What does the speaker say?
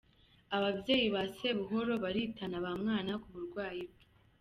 Ababyeyi ba Sebuhoro baritana ba mwana ku burwayi bwe.